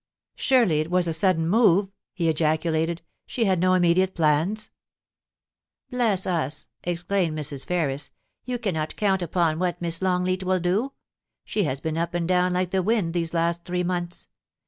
* Surely it was a sudden move,' he ejaculated. * She had made no immediate plans ?Bless us !' exclaimed Mrs. Ferris, * you cannot count upon what Miss Longleat will do. She has been up and down like the wind these last three months.